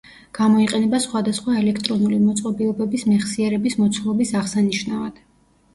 გამოიყენება სხვადასხვა ელექტრონული მოწყობილობების მეხსიერების მოცულობის აღსანიშნავად.